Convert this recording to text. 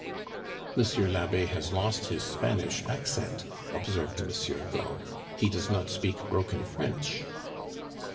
"Monsieur l'Abbe has lost his Spanish accent," observed Monsieur Gault; "he does not speak broken French."